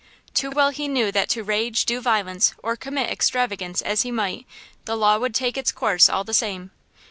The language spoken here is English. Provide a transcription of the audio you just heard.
Too well he knew that to rage, do violence, or commit extravagance as he might, the law would take its course all the same.